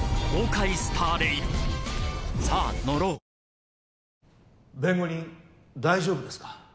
本麒麟弁護人大丈夫ですか？